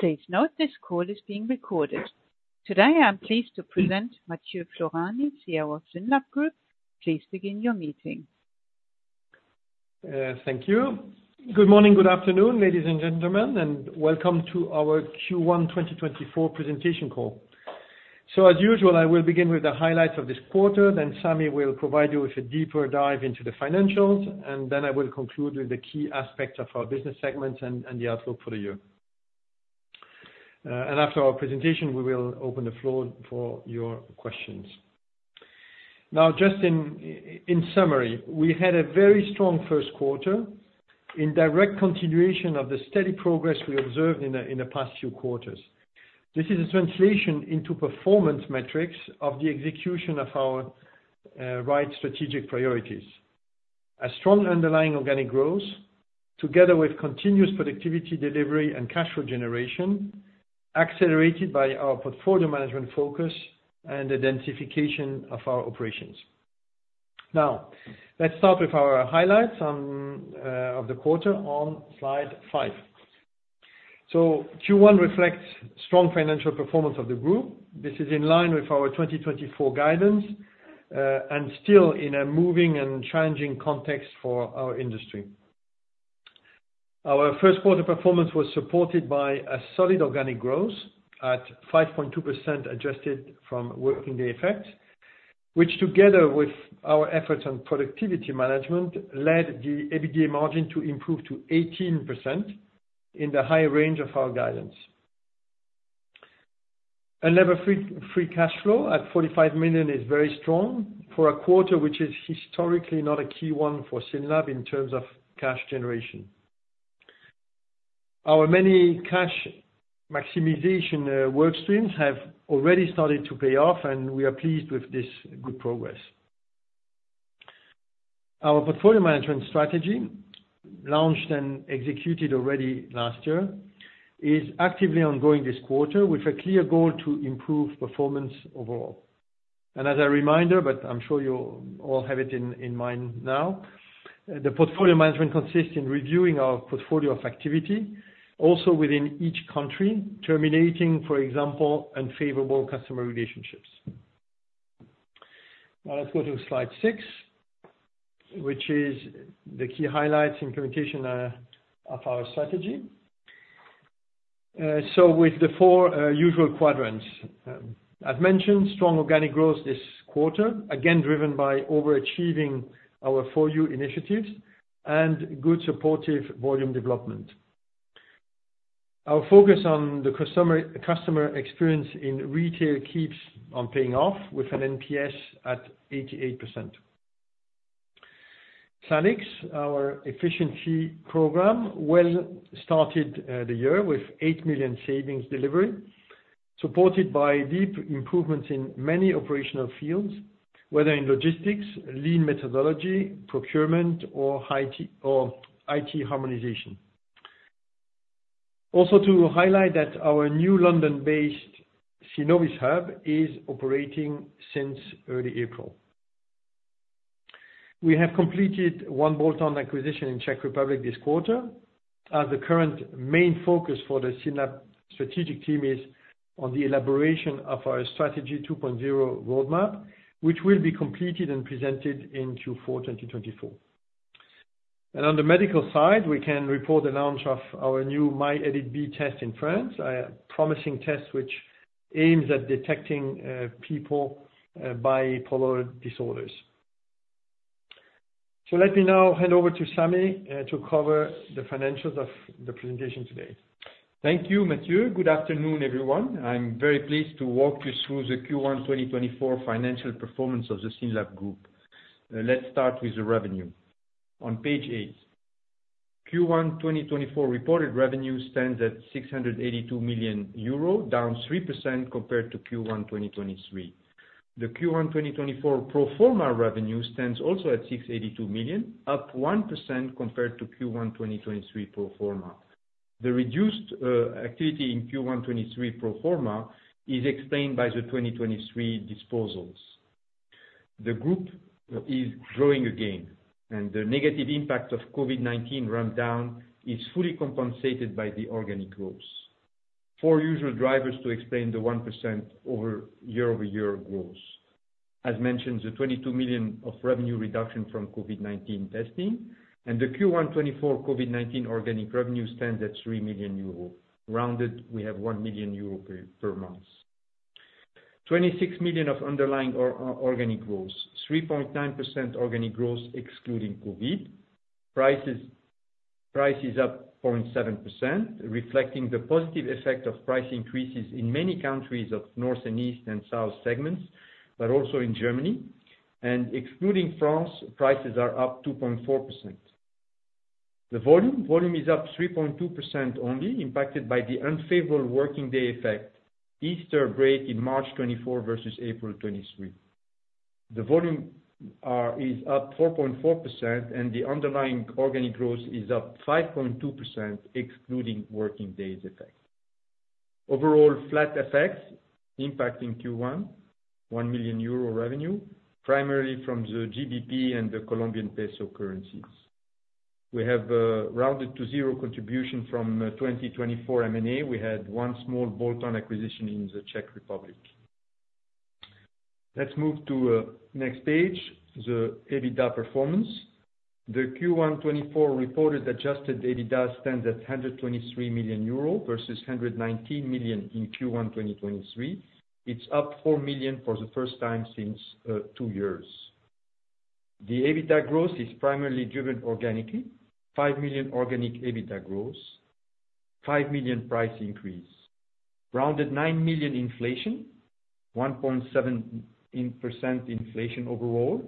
Please note this call is being recorded. Today, I'm pleased to present Mathieu Floreani, CEO of SYNLAB Group. Please begin your meeting. Thank you. Good morning, good afternoon, ladies and gentlemen, and welcome to our Q1 2024 presentation call. So as usual, I will begin with the highlights of this quarter, then Sami will provide you with a deeper dive into the financials, and then I will conclude with the key aspects of our business segments and the outlook for the year. And after our presentation, we will open the floor for your questions. Now, just in summary, we had a very strong first quarter in direct continuation of the steady progress we observed in the past few quarters. This is a translation into performance metrics of the execution of our right strategic priorities. A strong underlying organic growth, together with continuous productivity, delivery, and cash flow generation, accelerated by our portfolio management focus and identification of our operations. Now, let's start with our highlights of the quarter on Slide 5. Q1 reflects strong financial performance of the group. This is in line with our 2024 guidance, and still in a moving and changing context for our industry. Our first quarter performance was supported by a solid organic growth at 5.2% adjusted from working day effect, which together with our efforts on productivity management, led the EBITDA margin to improve to 18% in the high range of our guidance. Unlevered free cash flow at 45 million is very strong for a quarter, which is historically not a key one for SYNLAB in terms of cash generation. Our main cash maximization work streams have already started to pay off, and we are pleased with this good progress. Our portfolio management strategy, launched and executed already last year, is actively ongoing this quarter with a clear goal to improve performance overall. As a reminder, but I'm sure you all have it in mind now, the portfolio management consists in reviewing our portfolio of activity, also within each country, terminating, for example, unfavorable customer relationships. Now let's go to Slide 6, which is the key highlights implementation of our strategy. So with the four usual quadrants, I've mentioned strong organic growth this quarter, again, driven by overachieving our For You initiatives and good supportive volume development. Our focus on the customer experience in retail keeps on paying off with an NPS at 88%. SALIX, our efficiency program, well started the year with 8 million savings delivery, supported by deep improvements in many operational fields, whether in logistics, lean methodology, procurement, or high-tech or IT harmonization. Also, to highlight that our new London-based Synnovis hub is operating since early April. We have completed one bolt-on acquisition in Czech Republic this quarter, as the current main focus for the SYNLAB strategic team is on the elaboration of our strategy 2.0 roadmap, which will be completed and presented in Q4 2024. And on the medical side, we can report the launch of our new myEDIT-B test in France, a promising test which aims at detecting people with bipolar disorders. So let me now hand over to Sami to cover the financials of the presentation today. Thank you, Mathieu. Good afternoon, everyone. I'm very pleased to walk you through the Q1 2024 financial performance of the SYNLAB Group. Let's start with the revenue. On page eight, Q1 2024 reported revenue stands at 682 million euro, down 3% compared to Q1 2023. The Q1 2024 pro forma revenue stands also at 682 million, up 1% compared to Q1 2023 pro forma. The reduced activity in Q1 2023 pro forma is explained by the 2023 disposals. The group is growing again, and the negative impact of COVID-19 rundown is fully compensated by the organic growth. Four usual drivers to explain the 1% year-over-year growth. As mentioned, the 22 million of revenue reduction from COVID-19 testing and the Q1 2024 COVID-19 organic revenue stands at 3 million euro. Rounded, we have 1 million euro per, per month. 26 million of underlying or, or organic growth, 3.9% organic growth, excluding COVID. Prices, price is up 0.7%, reflecting the positive effect of price increases in many countries of North and East and South segments, but also in Germany, and excluding France, prices are up 2.4%. The volume, volume is up 3.2% only, impacted by the unfavorable working day effect, Easter break in March 2024 versus April 2023. The volume is up 4.4%, and the underlying organic growth is up 5.2%, excluding working days effect. Overall, FX effects impacting Q1, 1 million euro revenue, primarily from the GBP and the Colombian peso currencies. We have, rounded to zero contribution from 2024 M&A. We had one small bolt-on acquisition in the Czech Republic. Let's move to next page, the EBITDA performance. The Q1 2024 reported adjusted EBITDA stands at 123 million euro, versus 119 million in Q1 2023. It's up 4 million for the first time since 2 years. The EBITDA growth is primarily driven organically. 5 million organic EBITDA growth, 5 million price increase, rounded 9 million inflation, 1.7% inflation overall.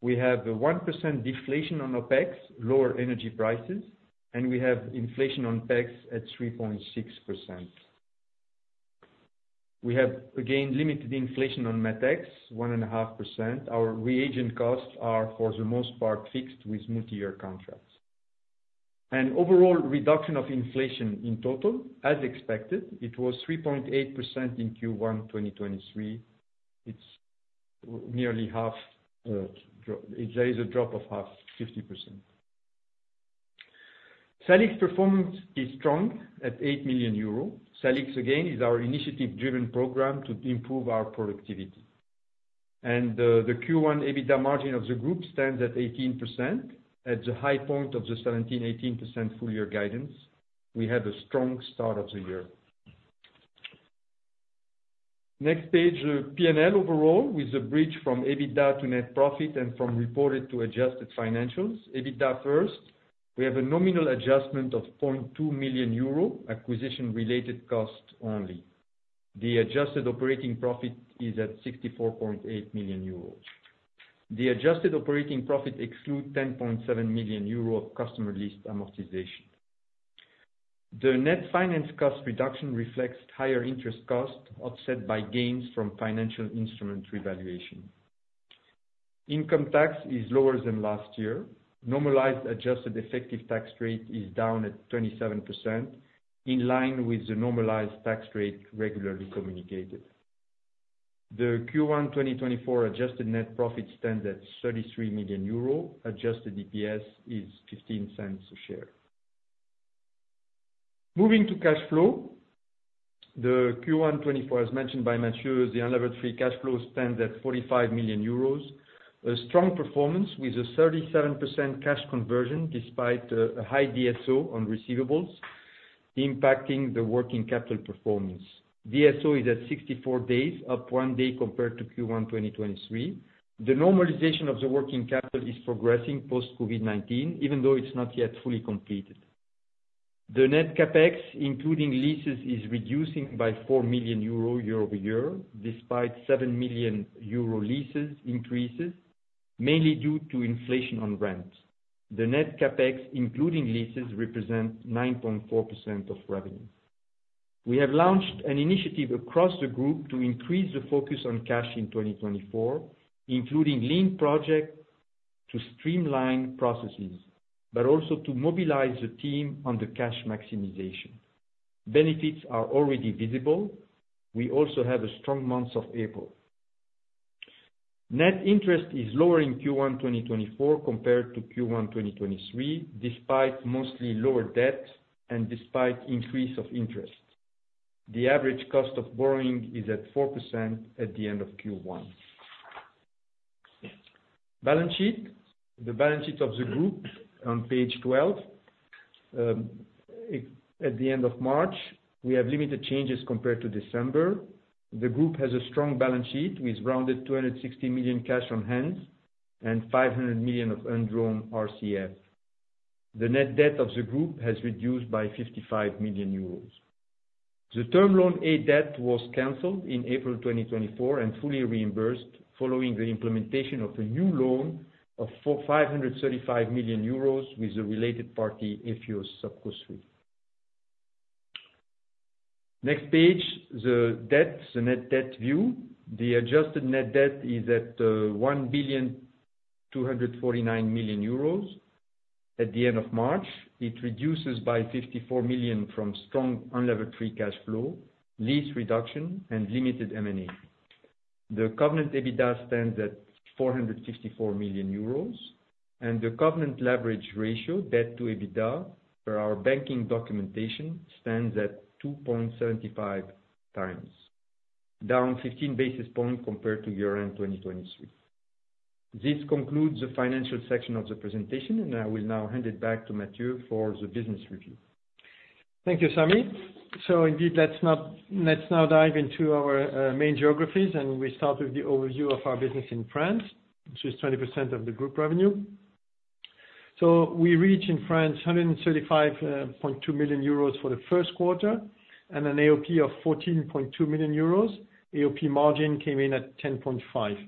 We have a 1% deflation on OpEx, lower energy prices, and we have inflation on OpEx at 3.6%. We have, again, limited inflation on MatEx, 1.5%. Our reagent costs are, for the most part, fixed with multi-year contracts. An overall reduction of inflation in total, as expected, it was 3.8% in Q1 2023. It's nearly half, there is a drop of half, 50%. SALIX performance is strong at 8 million euros. SALIX, again, is our initiative-driven program to improve our productivity. The Q1 EBITDA margin of the group stands at 18%, at the high point of the 17%-18% full year guidance. We had a strong start of the year. Next page, the P&L overall, with the bridge from EBITDA to net profit and from reported to adjusted financials. EBITDA first, we have a nominal adjustment of 0.2 million euro, acquisition-related costs only. The adjusted operating profit is at 64.8 million euros. The adjusted operating profit exclude 10.7 million euros of customer lease amortization. The net finance cost reduction reflects higher interest costs, offset by gains from financial instrument revaluation. Income tax is lower than last year. Normalized adjusted effective tax rate is down at 27%, in line with the normalized tax rate regularly communicated. The Q1 2024 adjusted net profit stands at 33 million euro, adjusted EPS is 0.15 a share. Moving to cash flow, the Q1 2024, as mentioned by Mathieu, the unlevered free cash flow stands at 45 million euros. A strong performance with a 37% cash conversion, despite a high DSO on receivables, impacting the working capital performance. DSO is at 64 days, up 1 day compared to Q1 2023. The normalization of the working capital is progressing post-COVID-19, even though it's not yet fully completed. The net CapEx, including leases, is reducing by 4 million euro, year-over-year, despite 7 million euro leases increases, mainly due to inflation on rent. The net CapEx, including leases, represent 9.4% of revenue. We have launched an initiative across the group to increase the focus on cash in 2024, including lean project to streamline processes, but also to mobilize the team on the cash maximization. Benefits are already visible. We also have a strong month of April. Net interest is lower in Q1 2024 compared to Q1 2023, despite mostly lower debt and despite increase of interest. The average cost of borrowing is at 4% at the end of Q1. Balance sheet. The balance sheet of the group on page 12. At the end of March, we have limited changes compared to December. The group has a strong balance sheet with rounded 260 million cash on hand and 500 million of undrawn RCF. The net debt of the group has reduced by 55 million euros. The Term Loan A debt was canceled in April 2024 and fully reimbursed following the implementation of a new loan of 435 million euros with a related party, Ephios Subco 3 S.à r.l. Next page, the debt, the net debt view. The adjusted net debt is at 1,249 million euros. At the end of March, it reduces by 54 million from strong unlevered free cash flow, lease reduction and limited M&A. The covenant EBITDA stands at 454 million euros, and the covenant leverage ratio, debt to EBITDA, per our banking documentation, stands at 2.75x, down 15 basis points compared to year-end 2023. This concludes the financial section of the presentation, and I will now hand it back to Mathieu for the business review. Thank you, Sami. So indeed, let's now dive into our main geographies, and we start with the overview of our business in France, which is 20% of the group revenue. So we reach in France 135.2 million euros for the first quarter, and an AOP of 14.2 million euros. AOP margin came in at 10.5%.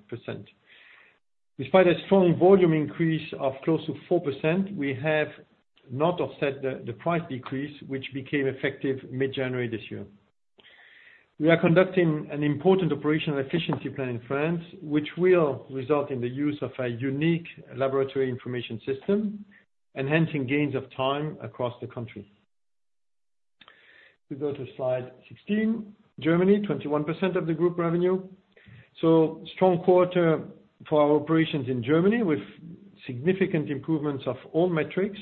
Despite a strong volume increase of close to 4%, we have not offset the price decrease, which became effective mid-January this year. We are conducting an important operational efficiency plan in France, which will result in the use of a unique laboratory information system, enhancing gains of time across the country. We go to slide 16, Germany, 21% of the group revenue. So strong quarter for our operations in Germany, with significant improvements of all metrics,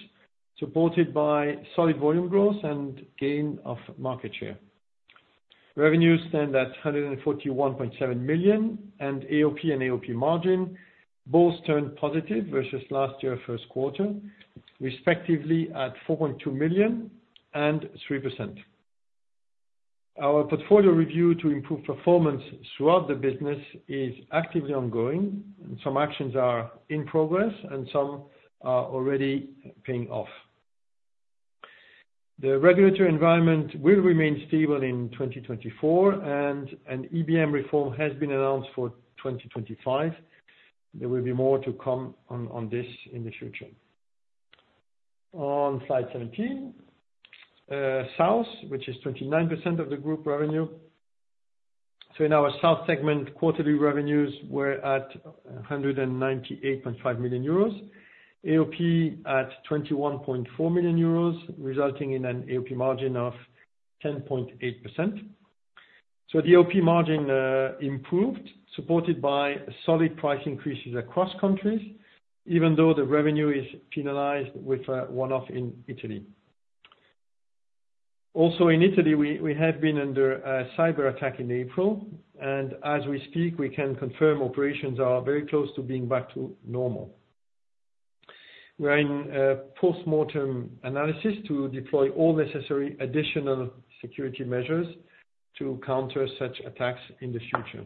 supported by solid volume growth and gain of market share. Revenues stand at 141.7 million, and AOP and AOP margin both turned positive versus last year, first quarter, respectively, at 4.2 million and 3%. Our portfolio review to improve performance throughout the business is actively ongoing, and some actions are in progress, and some are already paying off. The regulatory environment will remain stable in 2024, and an EBM reform has been announced for 2025. There will be more to come on this in the future. On slide 17, South, which is 29% of the group revenue. So in our South segment, quarterly revenues were at 198.5 million euros. AOP at 21.4 million euros, resulting in an AOP margin of 10.8%. So the AOP margin improved, supported by solid price increases across countries, even though the revenue is penalized with one-off in Italy. Also, in Italy, we have been under a cyberattack in April, and as we speak, we can confirm operations are very close to being back to normal. We're in a post-mortem analysis to deploy all necessary additional security measures to counter such attacks in the future.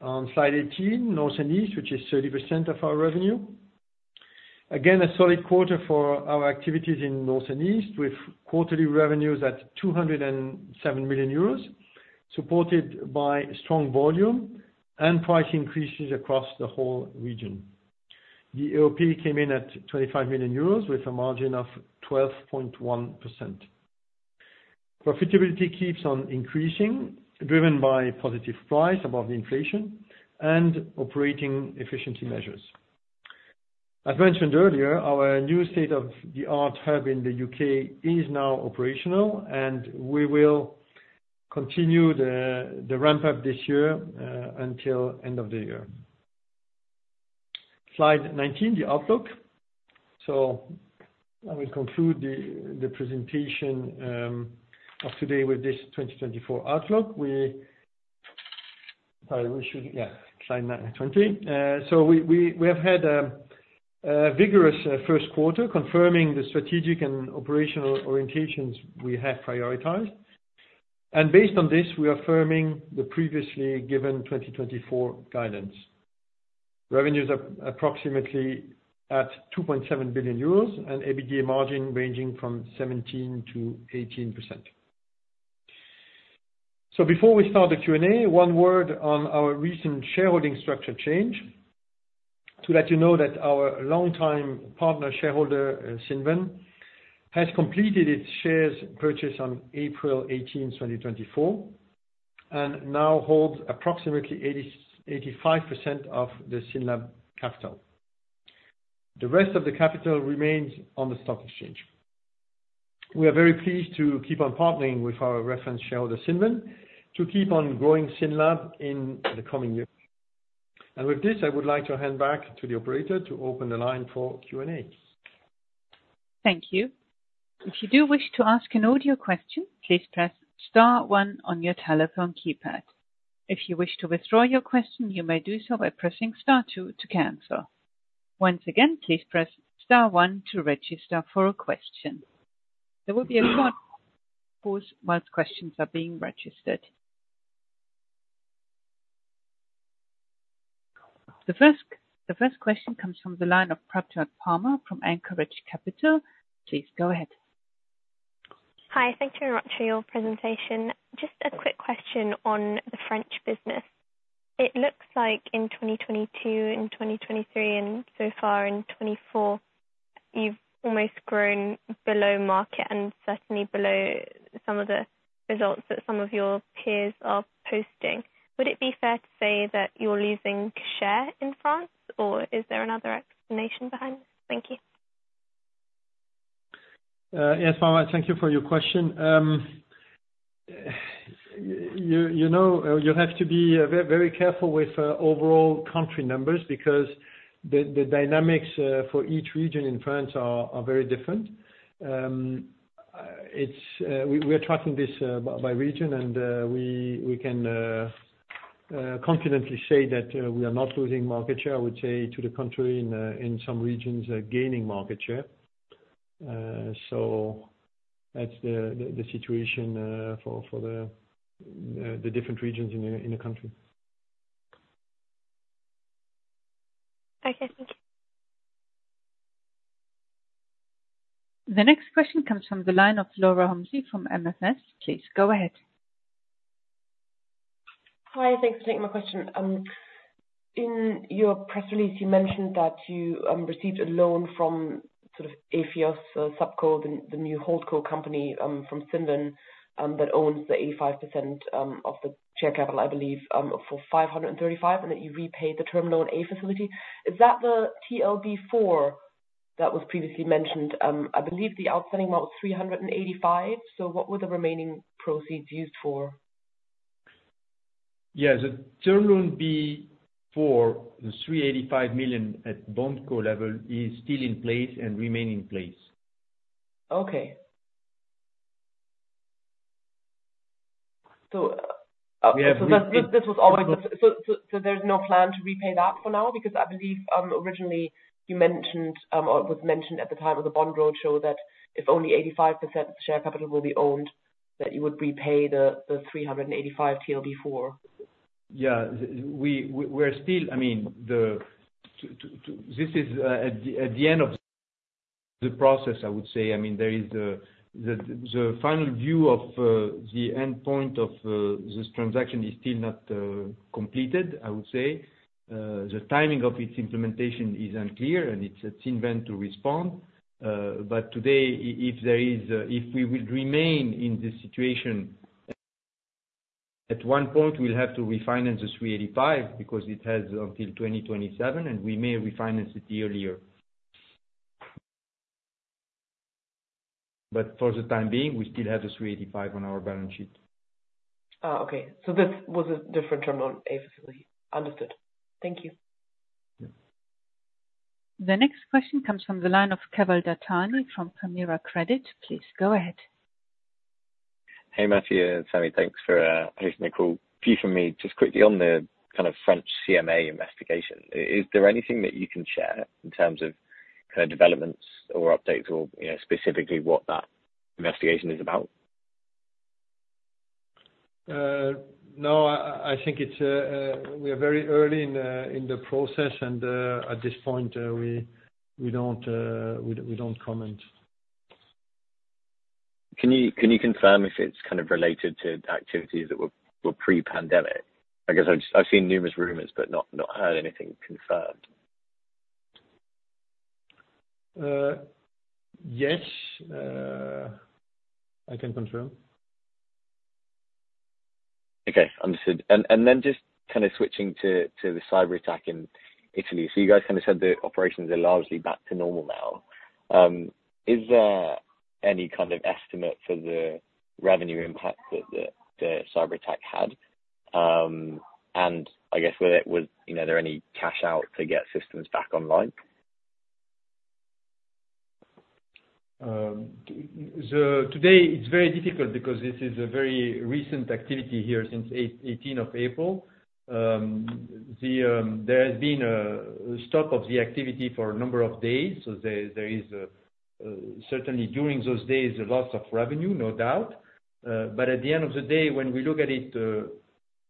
On slide 18, North and East, which is 30% of our revenue. Again, a solid quarter for our activities in North and East, with quarterly revenues at 207 million euros, supported by strong volume and price increases across the whole region. The AOP came in at 25 million euros with a margin of 12.1%. Profitability keeps on increasing, driven by positive price above the inflation and operating efficiency measures. As mentioned earlier, our new state-of-the-art hub in the UK is now operational, and we will continue the ramp up this year until end of the year. Slide 19, the outlook. So I will conclude the presentation of today with this 2024 outlook. Sorry, we should slide 9 and 20. So we have had a vigorous first quarter, confirming the strategic and operational orientations we have prioritized. And based on this, we are affirming the previously given 2024 guidance. Revenues are approximately at 2.7 billion euros, and EBITDA margin ranging from 17%-18%. Before we start the Q&A, one word on our recent shareholding structure change, to let you know that our longtime partner, shareholder, Cinven, has completed its shares purchase on April eighteenth, 2024, and now holds approximately 85% of the SYNLAB capital. The rest of the capital remains on the stock exchange. We are very pleased to keep on partnering with our reference shareholder, Cinven, to keep on growing SYNLAB in the coming years. And with this, I would like to hand back to the operator to open the line for Q&A. Thank you. If you do wish to ask an audio question, please press star one on your telephone keypad. If you wish to withdraw your question, you may do so by pressing star two to cancel. Once again, please press star one to register for a question. There will be a pause while questions are being registered. The first question comes from the line of Prabhjot Palmer from Anchorage Capital. Please go ahead. Hi, thank you very much for your presentation. Just a quick question on the French business. It looks like in 2022 and 2023, and so far in 2024, you've almost grown below market and certainly below some of the results that some of your peers are posting. Would it be fair to say that you're losing share in France, or is there another explanation behind this? Thank you. Yes, Prabhjot, thank you for your question. You know, you have to be very careful with overall country numbers, because the dynamics for each region in France are very different. It's, we're tracking this by region, and we can confidently say that we are not losing market share. I would say, to the contrary, in some regions, gaining market share. So that's the situation for the different regions in the country. Thank you. The next question comes from the line of Laura Homsy from MFS. Please go ahead. Hi, thanks for taking my question. In your press release, you mentioned that you received a loan from sort of Ephios Subco, the new holdco company from Cinven that owns the 85% of the share capital, I believe, for 535, and that you repaid the term loan A facility. Is that the TLB4 that was previously mentioned? I believe the outstanding amount was 385. So what were the remaining proceeds used for? Yeah, the Term Loan B for 385 million at BondCo level is still in place and remain in place. Okay. So, this was always so there's no plan to repay that for now? Because I believe, originally you mentioned, or it was mentioned at the time of the bond roadshow, that if only 85% share capital will be owned, that you would repay the 385 TLB4. Yeah, we're still, I mean, this is at the end of the process, I would say. I mean, there is the final view of the endpoint of this transaction is still not completed, I would say. The timing of its implementation is unclear, and it's intended to respond. But today, if we will remain in this situation, at one point, we'll have to refinance the 385, because it has until 2027, and we may refinance it earlier. But for the time being, we still have the 385 on our balance sheet. Oh, okay. So this was a different term on A facility. Understood. Thank you. Yeah. The next question comes from the line of Keval Dattani from Permira Credit. Please, go ahead. Hey, Matthias and Sami, thanks for hosting the call. Few from me, just quickly on the kind of French CMA investigation. Is there anything that you can share in terms of current developments or updates or, you know, specifically what that investigation is about? No, I think we are very early in the process, and at this point, we don't comment. Can you confirm if it's kind of related to activities that were pre-pandemic? I guess I've seen numerous rumors, but not heard anything confirmed. Yes, I can confirm. Okay, understood. And then just kind of switching to the cyberattack in Italy. So you guys kind of said the operations are largely back to normal now. Is there any kind of estimate for the revenue impact that the cyberattack had? And I guess, was there, you know, any cash out to get systems back online? Today, it's very difficult because this is a very recent activity here since 18 April. There has been stoppage of the activity for a number of days, so there is certainly during those days a loss of revenue, no doubt. But at the end of the day, when we look at it,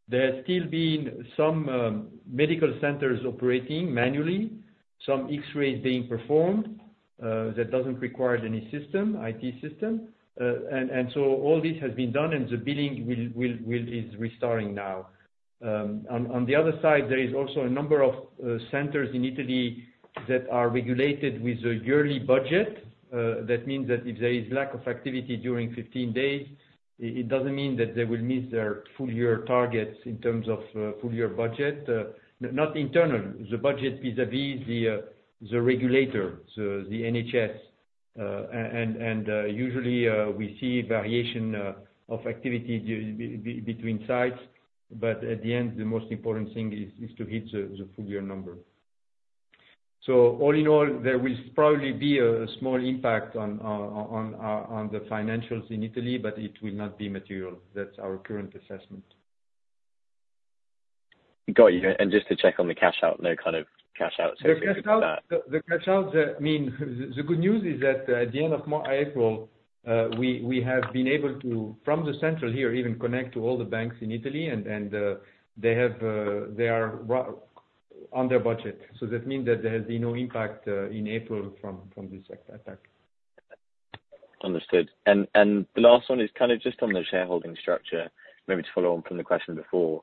there have still been some medical centers operating manually, some X-rays being performed that doesn't require any system, IT system. And so all this has been done, and the billing is restarting now. On the other side, there is also a number of centers in Italy that are regulated with a yearly budget. That means that if there is lack of activity during 15 days, it doesn't mean that they will miss their full year targets in terms of full year budget. Not internal, the budget vis-a-vis the regulator, the NHS. And usually, we see variation of activity between sites, but at the end, the most important thing is to hit the full year number. So all in all, there will probably be a small impact on the financials in Italy, but it will not be material. That's our current assessment. Got you. And just to check on the cash out, no kind of cash out? The cash out, I mean, the good news is that at the end of March-April, we have been able to, from the center here, even connect to all the banks in Italy, and they are running on their budget. So that means that there has been no impact in April from this attack. Understood. And, and the last one is kind of just on the shareholding structure, maybe to follow on from the question before.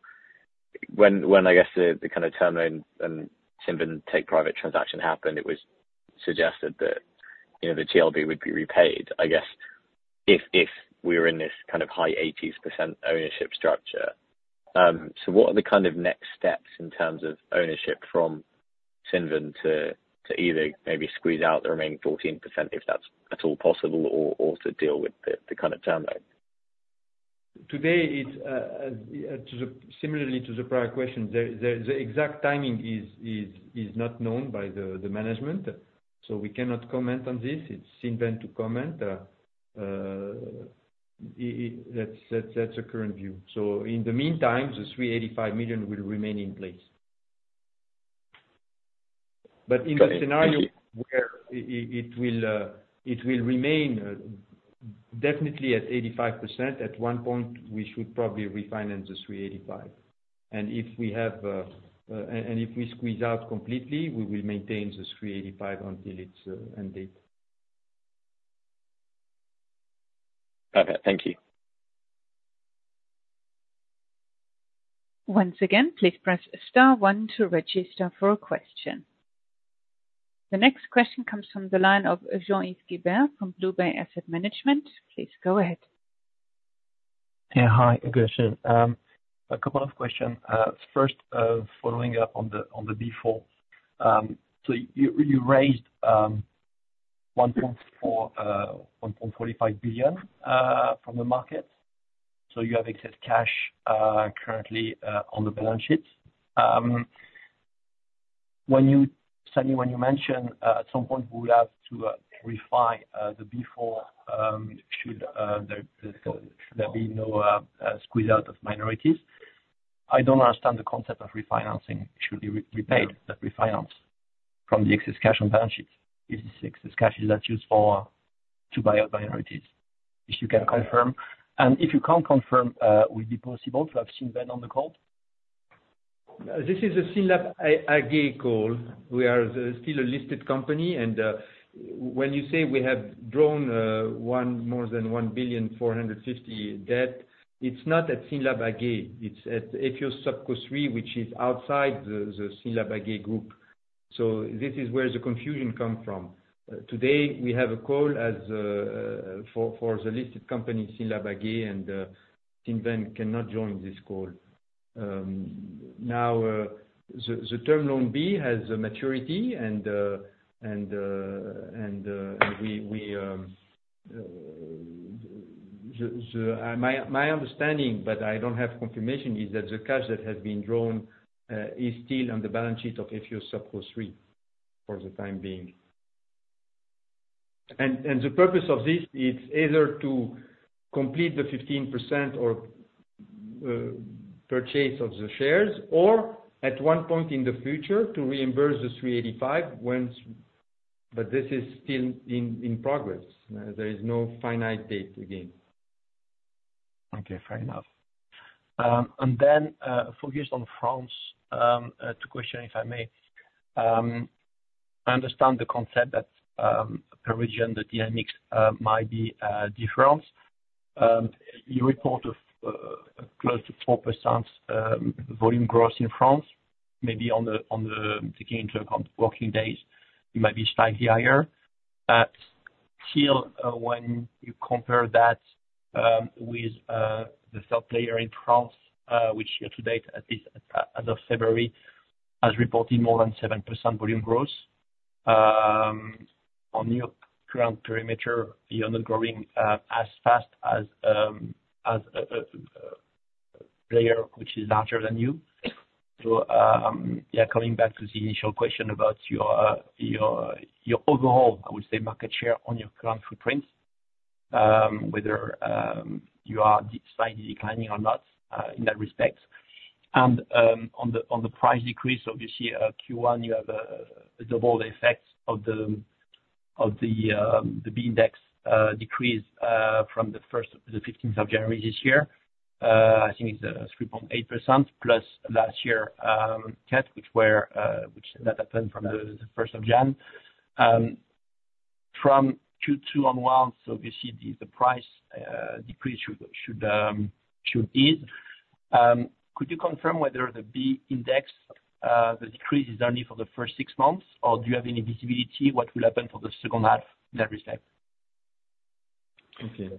When, when I guess the, the kind of term loan and Cinven take private transaction happened, it was suggested that, you know, the TLB would be repaid, I guess, if, if we were in this kind of high 80s% ownership structure. So what are the kind of next steps in terms of ownership from Cinven to, to either maybe squeeze out the remaining 14%, if that's at all possible, or, or to deal with the, the kind of term loan? Today, it's similarly to the prior question, the exact timing is not known by the management, so we cannot comment on this. It's Cinven to comment. That's the current view. So in the meantime, the 385 million will remain in place. Got it. Thank you. But in the scenario where it will, it will remain definitely at 85%, at one point, we should probably refinance the 3.85. And if we squeeze out completely, we will maintain this 3.85 until its end date. Okay, thank you. Once again, please press star one to register for a question. The next question comes from the line of Jean-Yves Guibert from BlueBay Asset Management. Please go ahead. Yeah, hi, good afternoon. A couple of questions. First, following up on the default. So you raised- 1.4 billion, 1.45 billion from the market, so you have excess cash currently on the balance sheet. When you, Sami, when you mention at some point we will have to refi the before should there be no squeeze out of minorities. I don't understand the concept of refinancing, should be re-repaid, but refinance from the excess cash on balance sheet, if the excess cash is not used to buy out minorities. If you can confirm, and if you can't confirm, would it be possible to have Sylvain on the call? This is a SYNLAB AG call. We are still a listed company, and when you say we have drawn more than 1.45 billion debt, it's not at SYNLAB AG. It's at Ephios Subco 3 S.à r.l., which is outside the SYNLAB AG group. So this is where the confusion come from. Today, we have a call for the listed company, SYNLAB AG, and Sylvain cannot join this call. Now, the Term Loan B has a maturity, and my understanding, but I don't have confirmation, is that the cash that has been drawn is still on the balance sheet of Ephios Subco 3 S.à r.l. for the time being. The purpose of this is either to complete the 15% or purchase of the shares, or at one point in the future, to reimburse the 385 once. But this is still in progress. There is no finite date again. Okay, fair enough. And then, focused on France, two questions, if I may. I understand the concept that, per region, the DMX might be different. You reported close to 4% volume growth in France, maybe taking into account working days, you might be slightly higher. But still, when you compare that with the third player in France, which year to date, at least, as of February, has reported more than 7% volume growth, on your current perimeter, you're not growing as fast as player, which is larger than you. So, yeah, coming back to the initial question about your overall, I would say, market share on your current footprint, whether you are slightly declining or not, in that respect. And, on the price decrease, obviously, Q1, you have the double effect of the EBM index decrease from the fifteenth of January this year. I think it's 3.8%, plus last year's cut, which happened from the first of January. From Q2 onwards, so obviously, the price decrease should ease. Could you confirm whether the EBM index, the decrease is only for the first six months, or do you have any visibility what will happen for the second half in that respect? Okay.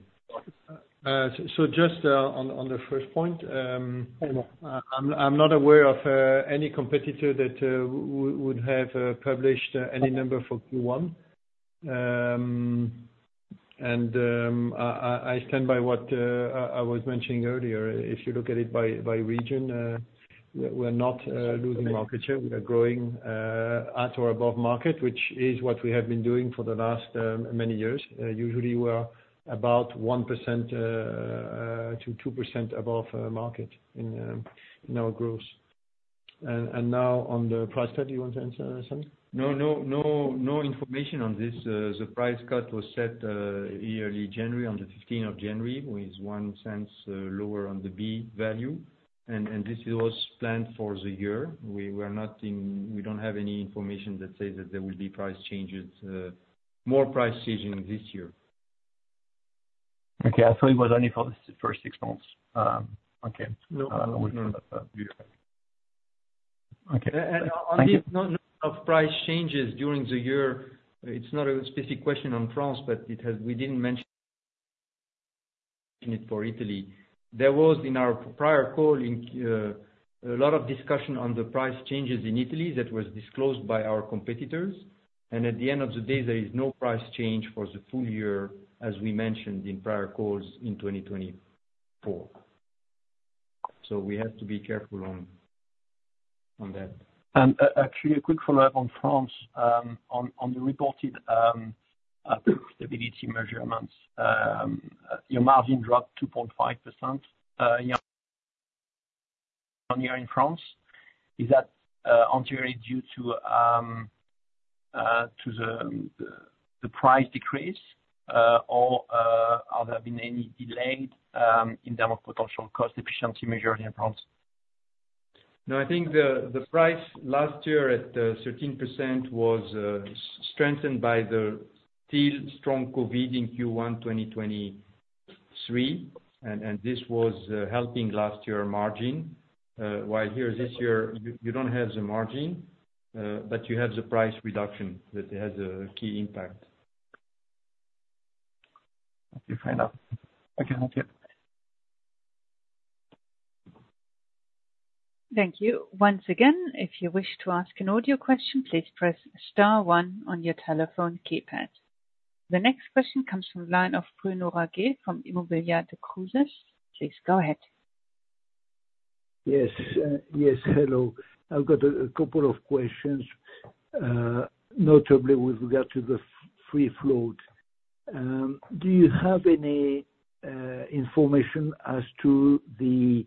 So just on the first point, Yeah I'm not aware of any competitor that would have published any number for Q1. And I stand by what I was mentioning earlier. If you look at it by region, we're not losing market share. We are growing at or above market, which is what we have been doing for the last many years. Usually, we're about 1%-2% above market in our growth. And now, on the price cut, you want to answer, Sami? No, no, no, no information on this. The price cut was set yearly, January, on the fifteenth of January, with one cent lower on the B value. And this was planned for the year. We don't have any information that says that there will be price changes, more price changing this year. Okay. I thought it was only for the first six months. Okay. No. Beautiful. Okay. On the topic of price changes during the year, it's not a specific question on France, but we didn't mention it for Italy. There was, in our prior call, a lot of discussion on the price changes in Italy that was disclosed by our competitors. And at the end of the day, there is no price change for the full year, as we mentioned in prior calls in 2024. So we have to be careful on that. And actually, a quick follow-up on France. On the reported stability measurements, your margin dropped 2.5% year-on-year in France. Is that entirely due to the price decrease, or are there been any delayed in terms of potential cost efficiency measure in France? No, I think the price last year at 13% was strengthened by the still strong COVID in Q1 2023, and this was helping last year margin. While here this year, you don't have the margin, but you have the price reduction that has a key impact. Okay, fair enough. Okay, thank you. Thank you. Once again, if you wish to ask an audio question, please press star one on your telephone keypad. The next question comes from the line of Bruno Raguet from Montpensier Finance. Please go ahead. Yes, yes, hello. I've got a couple of questions, notably with regard to the free float. Do you have any information as to the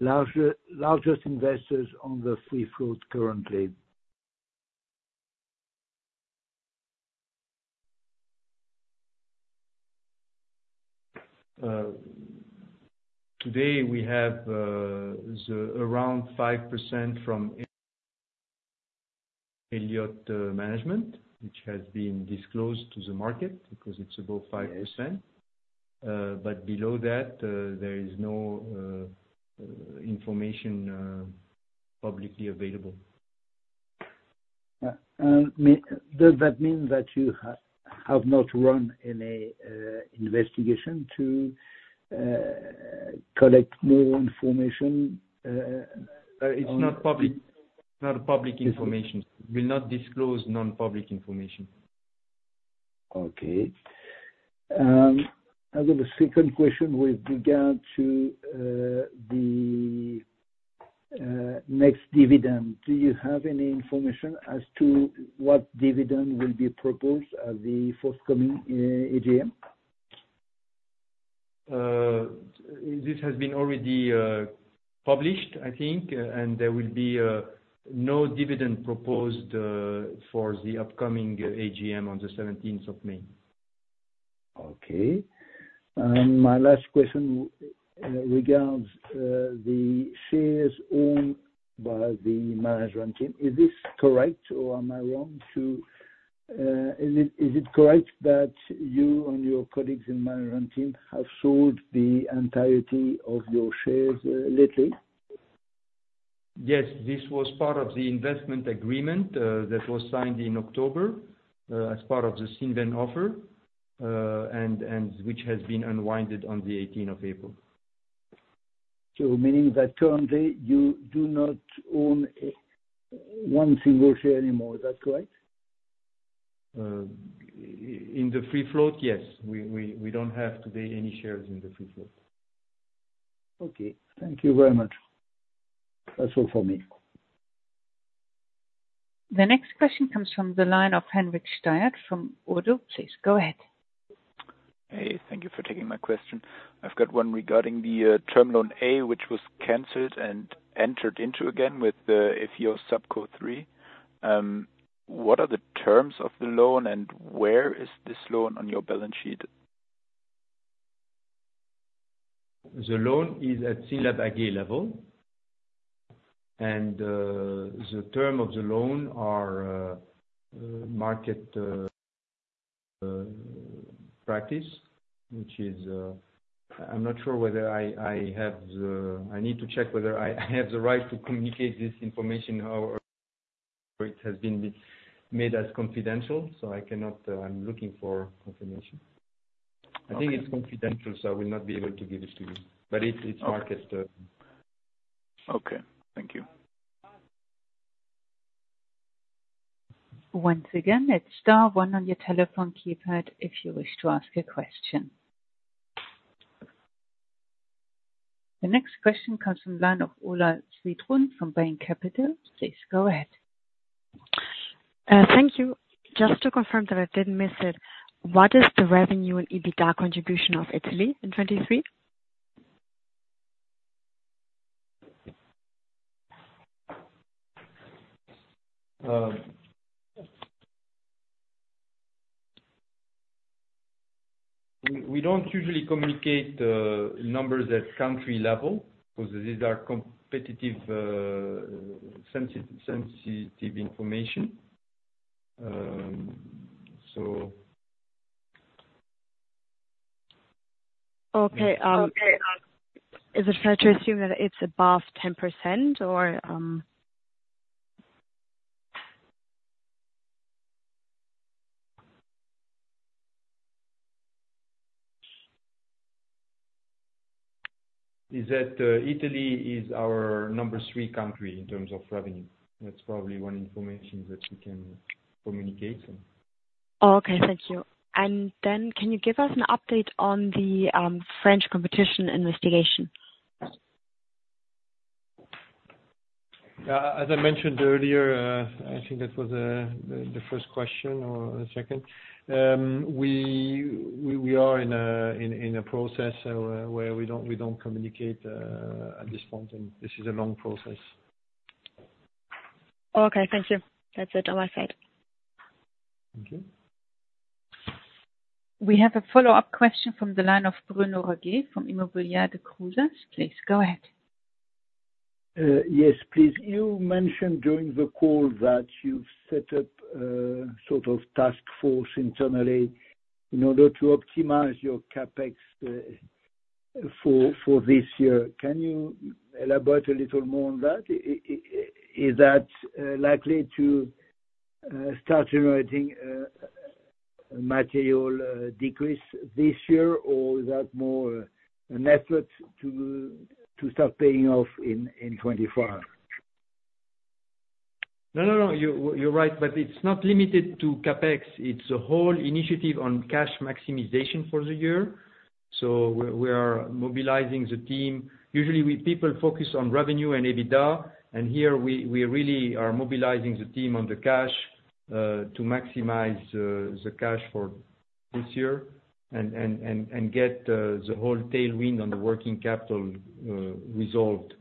largest investors on the free float currently? Today, we have the around 5% from Elliott Management, which has been disclosed to the market, because it's above 5%. Yes. But below that, there is no information publicly available. And does that mean that you have not run any investigation to collect more information on- It's not public, not public information. We'll not disclose non-public information. Okay. I've got a second question with regard to the next dividend. Do you have any information as to what dividend will be proposed at the forthcoming AGM? This has been already published, I think, and there will be no dividend proposed for the upcoming AGM on the seventeenth of May. Okay. My last question regards the shares owned by the management team. Is this correct, or am I wrong to, Is it, is it correct that you and your colleagues in management team have sold the entirety of your shares lately? Yes. This was part of the investment agreement that was signed in October as part of the Cinven offer, and which has been unwound on the eighteenth of April. So meaning that currently, you do not own a one single share anymore, is that correct? In the free float, yes. We don't have, today, any shares in the free float. Okay. Thank you very much. That's all for me. The next question comes from the line of John-Henrik Stiebel from Oddo BHF. Please, go ahead. Hey, thank you for taking my question. I've got one regarding the Term Loan A, which was canceled and entered into again with the Ephios Subco 3. What are the terms of the loan, and where is this loan on your balance sheet? The loan is at SYNLAB AG level, and, the term of the loan are, market practice, which is, I'm not sure whether I have the-- I need to check whether I have the right to communicate this information, how it has been made as confidential, so I cannot. I'm looking for confirmation. Okay. I think it's confidential, so I will not be able to give it to you. But it's in market, Okay. Thank you. Once again, it's star one on your telephone keypad if you wish to ask a question. The next question comes from line of Olha Svyatun from Bain Capital. Please, go ahead. Thank you. Just to confirm that I didn't miss it, what is the revenue and EBITDA contribution of Italy in 2023? We don't usually communicate numbers at country level, because these are competitive, sensitive information. So Okay. Is it fair to assume that it's above 10%, or? Is that, Italy is our number three country in terms of revenue. That's probably one information that we can communicate, so. Oh, okay. Thank you. And then can you give us an update on the French competition investigation? As I mentioned earlier, I think that was the first question or the second. We are in a process, so where we don't communicate at this point, and this is a long process. Okay, thank you. That's it on my side. Thank you. We have a follow-up question from the line of Bruno Raguet from Montpensier Finance. Please, go ahead. Yes, please. You mentioned during the call that you've set up a sort of task force internally in order to optimize your CapEx for this year. Can you elaborate a little more on that? Is that likely to start generating a material decrease this year, or is that more an effort to start paying off in 2024? No, no, no, you're, you're right, but it's not limited to CapEx, it's a whole initiative on cash maximization for the year. So we are mobilizing the team. Usually, people focus on revenue and EBITDA, and here we really are mobilizing the team on the cash to maximize the cash for this year, and get the whole tailwind on the working capital resolved.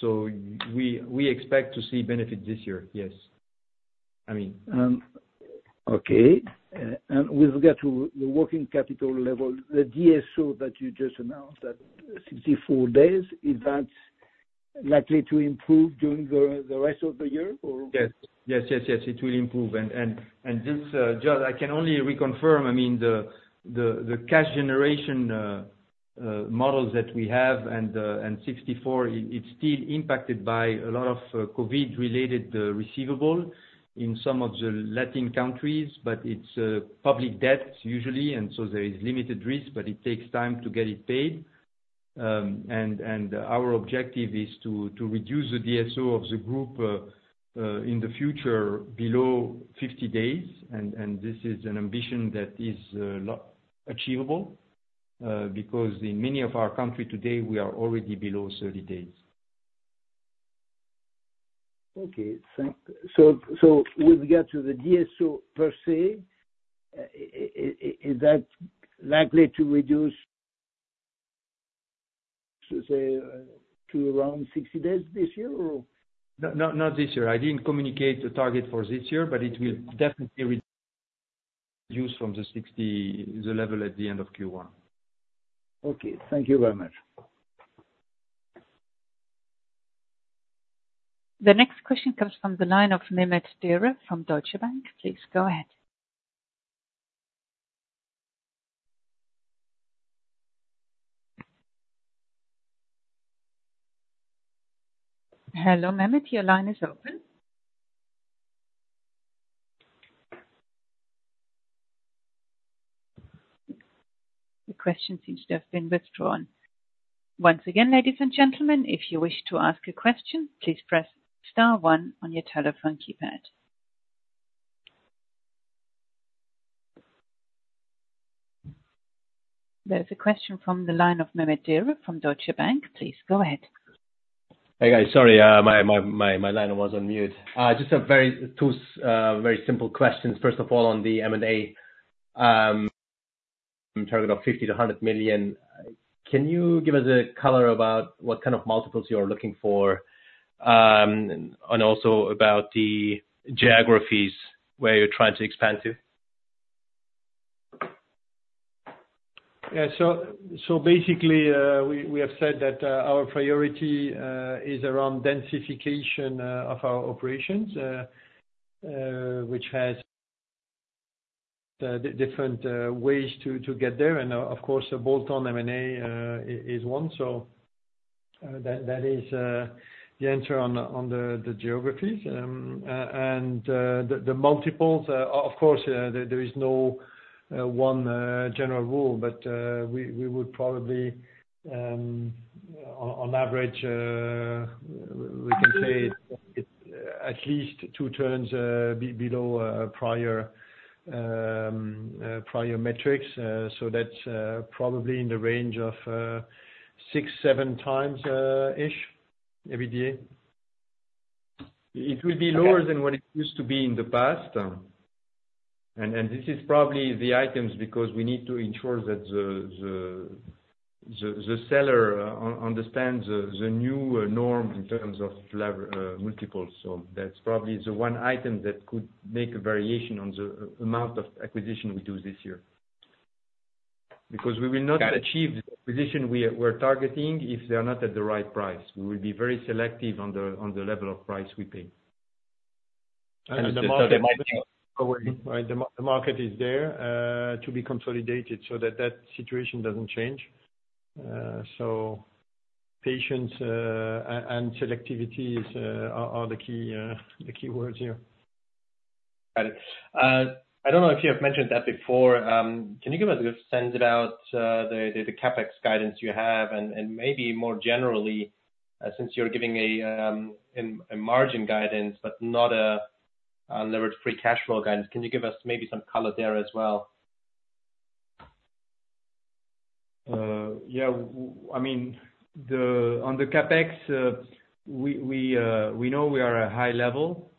So we expect to see benefit this year, yes. I mean. Okay. With regard to the working capital level, the DSO that you just announced, that 64 days, is that likely to improve during the rest of the year, or? Yes. Yes, yes, yes, it will improve. And this, George, I can only reconfirm, I mean, the cash generation models that we have and 64, it's still impacted by a lot of COVID-related receivable in some of the Latin countries, but it's public debt usually, and so there is limited risk, but it takes time to get it paid. And our objective is to reduce the DSO of the group in the future below 50 days, and this is an ambition that is not achievable because in many of our country today, we are already below 30 days. Okay, so with regard to the DSO per se, is that likely to reduce, should say, to around 60 days this year, or? No, not this year. I didn't communicate the target for this year, but it will definitely reduce from the 60, the level at the end of Q1. Okay. Thank you very much. The next question comes from the line of Mehmet Dere from Deutsche Bank. Please go ahead. Hello, Mehmet, your line is open. The question seems to have been withdrawn. Once again, ladies and gentlemen, if you wish to ask a question, please press star one on your telephone keypad. There's a question from the line of Mehmet Dere from Deutsche Bank. Please go ahead. Hey, guys. Sorry, my line was on mute. Just two very simple questions. First of all, on the M&A, in terms of 50 million-100 million, can you give us a color about what kind of multiples you are looking for? And also about the geographies where you're trying to expand to. Yeah. So, so basically, we, we have said that, our priority, is around densification, of our operations, which has the different, ways to, to get there. And of course, a bolt-on M&A, is one. So, that, that is, the answer on, on the, the geographies. And, the, the multiples, of course, there, there is no, one, general rule, but, we, we would probably, on, on average, we can say it's at least 2 turns, below, prior, prior metrics. So that's, probably in the range of, 6-7x ish EBITDA. It will be lower- Okay. than what it used to be in the past. And this is probably the items, because we need to ensure that the seller understands the new norm in terms of leverage multiples. So that's probably the one item that could make a variation on the amount of acquisition we do this year. Because we will not- Got it. Achieve the acquisition we're targeting if they are not at the right price. We will be very selective on the level of price we pay. The market is there to be consolidated, so that situation doesn't change. So patience and selectivity are the key words here. Got it. I don't know if you have mentioned that before. Can you give us a sense about the CapEx guidance you have? And maybe more generally, since you're giving a margin guidance, but not a levered free cash flow guidance, can you give us maybe some color there as well? Yeah. I mean, on the CapEx, we know we are a high level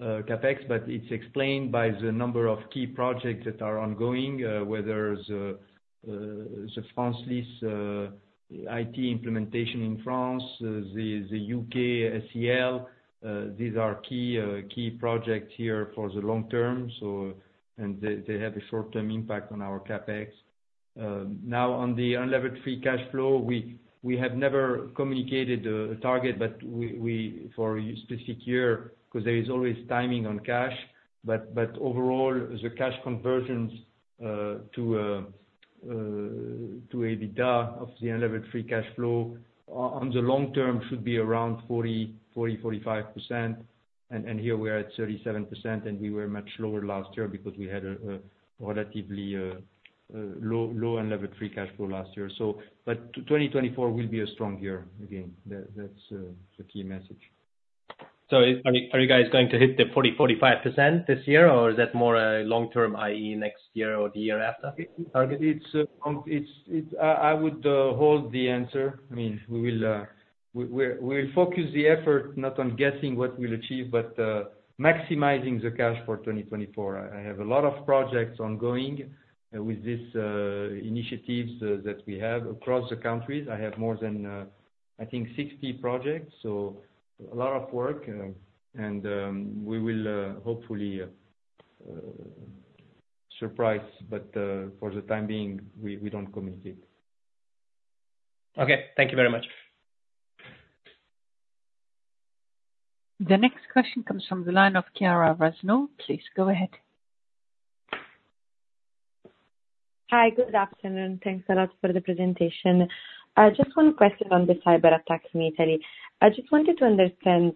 CapEx, but it's explained by the number of key projects that are ongoing, whether the France LIS, IT implementation in France, the UK, SEL. These are key projects here for the long term, so and they have a short-term impact on our CapEx. Now, on the unlevered free cash flow, we have never communicated a target, but we, for specific year, 'cause there is always timing on cash, but overall, the cash conversions to EBITDA of the unlevered free cash flow on the long term should be around 40%-45%. And here we are at 37%, and we were much lower last year because we had a relatively low and level free cash flow last year. So, but 2024 will be a strong year again, that's the key message. So are you guys going to hit the 40-45% this year, or is that more a long-term, i.e., next year or the year after? It's – I would hold the answer. I mean, we will focus the effort not on guessing what we'll achieve, but maximizing the cash for 2024. I have a lot of projects ongoing with this initiatives that we have across the countries. I have more than, I think, 60 projects, so a lot of work, and we will hopefully surprise, but for the time being, we don't communicate. Okay, thank you very much. The next question comes from the line of Kiara Razno. Please go ahead. Hi. Good afternoon. Thanks a lot for the presentation. Just one question on the cyberattack in Italy. I just wanted to understand,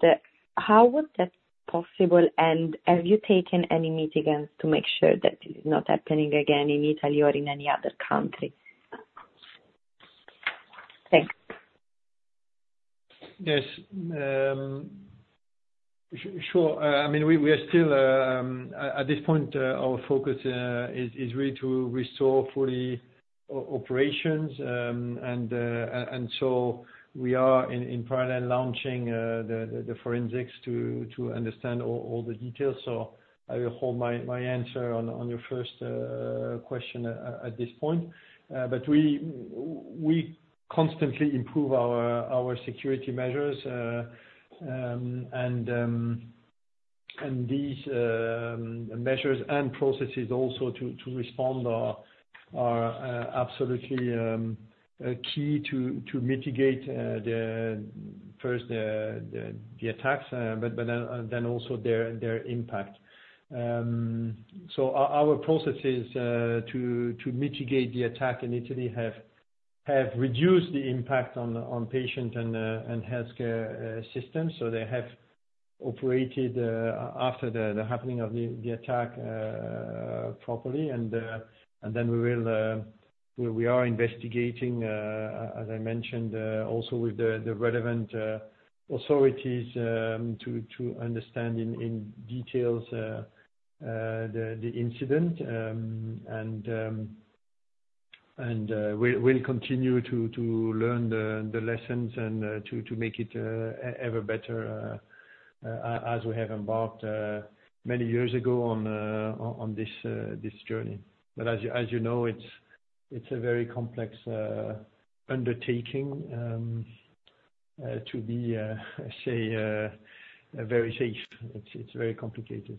how was that possible, and have you taken any mitigants to make sure that it's not happening again in Italy or in any other country? Thanks. Yes. Sure. I mean, we are still at this point. Our focus is really to restore fully operations. And so we are in parallel launching the forensics to understand all the details. So I will hold my answer on your first question at this point. But we constantly improve our security measures, and these measures and processes also to respond are absolutely key to mitigate the first attacks, but then also their impact. So our processes to mitigate the attack in Italy have reduced the impact on patient and healthcare systems, so they have operated after the happening of the attack properly. And then we are investigating, as I mentioned, also with the relevant authorities, to understand in details the incident. And we'll continue to learn the lessons and to make it ever better, as we have embarked many years ago on this journey. But as you know, it's a very complex undertaking to be, I say, very safe. It's very complicated.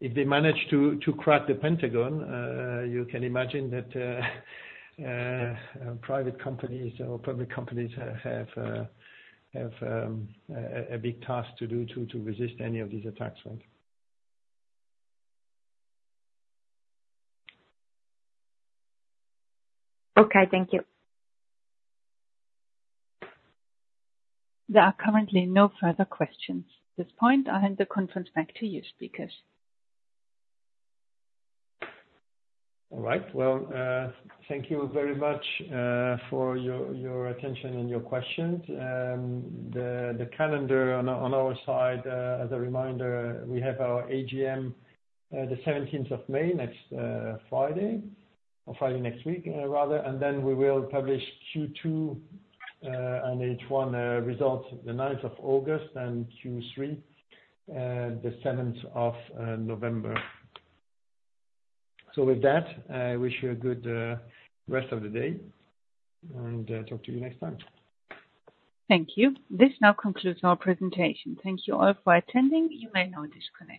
If they manage to crack the Pentagon, you can imagine that private companies or public companies have a big task to do to resist any of these attacks, right? Okay, thank you. There are currently no further questions. At this point, I hand the conference back to you speakers. All right. Well, thank you very much for your attention and your questions. The calendar on our side, as a reminder, we have our AGM the seventeenth of May, next Friday, or Friday next week, rather. And then we will publish Q2 and H1 results the ninth of August, and Q3 the seventh of November. So with that, I wish you a good rest of the day, and talk to you next time. Thank you. This now concludes our presentation. Thank you all for attending. You may now disconnect.